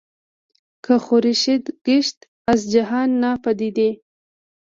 که خورشید گشت از جهان ناپدید